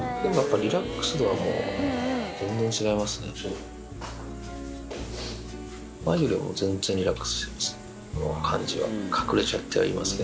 リラックス度は、もう全然違いますね。